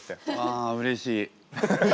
あうれしい。